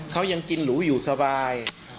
เขายังกินหรูอยู่สบาย